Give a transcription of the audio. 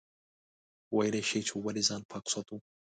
ویلای شئ چې ولې ځان پاک ساتو؟